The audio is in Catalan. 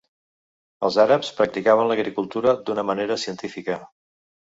Els àrabs practicaven l'agricultura d'una manera científica.